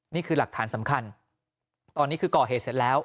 นี่คือหลักฐานสำคัญตอนนี้คือก่อเหตุเสร็จแล้ว